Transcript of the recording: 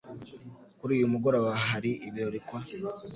Kuri uyu mugoroba hari ibirori kwa .